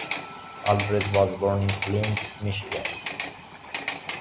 Aldred was born in Flint, Michigan.